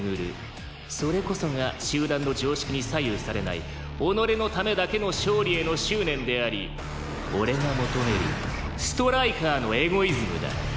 「それこそが集団の常識に左右されない己のためだけの勝利への執念であり俺が求めるストライカーのエゴイズムだ」